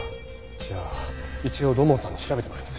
じゃあ一応土門さんに調べてもらいます。